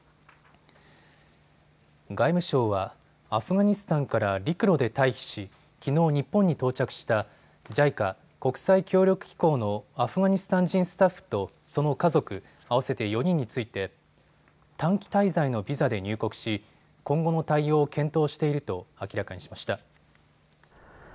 外務省はアフガニスタンから陸路で退避しきのう日本に到着したＪＩＣＡ・国際協力機構のアフガニスタン人スタッフとその家族合わせて４人について短期滞在のビザで入国し今後の対応を検討していると明らかにしました。